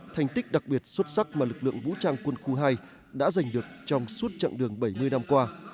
thành tích đặc biệt xuất sắc mà lực lượng vũ trang quân khu hai đã giành được trong suốt chặng đường bảy mươi năm qua